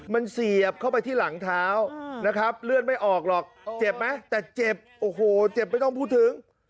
มันเสียบเข้าไปที่หลังเท้านะครับเลือดไม่ออกหรอกเจ็บไหมแต่เจ็บโอ้โหเจ็บไม่ต้องพูดถึง